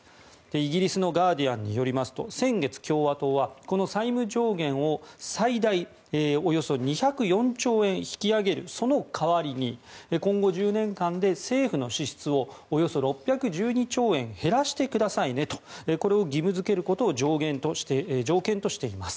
イギリスのガーディアンによりますと先月、共和党はこの債務上限を最大およそ２０４兆円引き上げるその代わりに今後１０年間で政府の支出をおよそ６１２兆円減らしてくださいねとこれを義務付けることを条件としています。